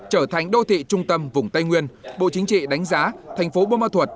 trở thành đô thị trung tâm vùng tây nguyên bộ chính trị đánh giá thành phố buôn mơ thuột